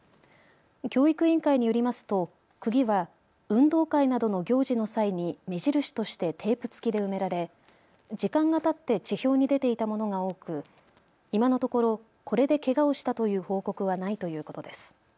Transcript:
教育委員会によりますとくぎは運動会などの行事の際に目印としてテープ付きで埋められ時間がたって地表に出ていたものが多く今のところこれでけがをしたという報告はないということです。